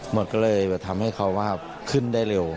มันก็เลยทำให้เขาว่าขึ้นได้เร็ว